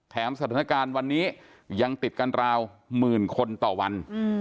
สถานการณ์วันนี้ยังติดกันราวหมื่นคนต่อวัน